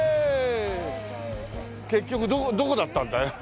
結局どこだったんだい？